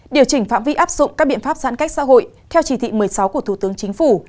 điều chỉnh phạm vi áp dụng các biện pháp giãn cách xã hội theo chỉ thị một mươi sáu của thủ tướng chính phủ